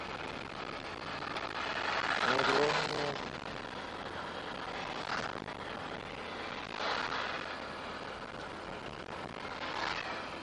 It is named after the French polymath Blaise Pascal.